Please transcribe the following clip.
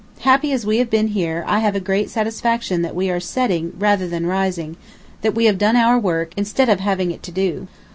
... Happy as we have been here, I have a great satisfaction that we are setting rather than rising; that we have done our work, instead of having it to do.